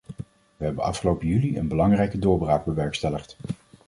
We hebben afgelopen juli een belangrijke doorbraak bewerkstelligd.